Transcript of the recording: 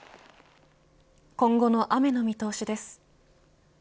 今後の雨の見通しです。